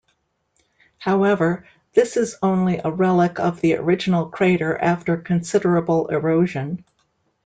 However, this is only a relic of the original crater after considerable erosion.